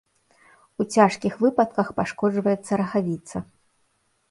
У цяжкіх выпадках пашкоджваецца рагавіца.